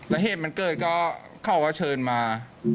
แล้วเหตุมันเกิดก็เขาก็เชิญมา